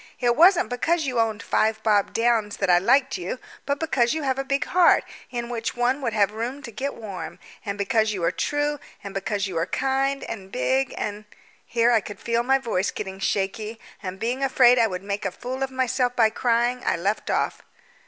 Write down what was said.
It wasn't because you owned Five Bob Downs that I liked you, but because you have a big heart in which one would have room to get warm, and because you are true, and because you are kind and big and " Here I could feel my voice getting shaky, and being afraid I would make a fool of myself by crying, I left off.